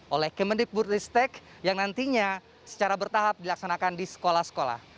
oleh kemendikbudristek yang nantinya secara bertahap dilaksanakan di sekolah sekolah